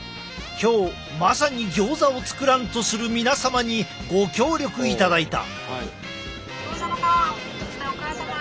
今日まさにギョーザを作らんとする皆様にご協力いただいた。